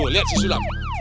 nuh oh liat si sulam